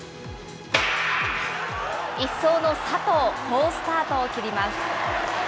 １走の佐藤、好スタートを切ります。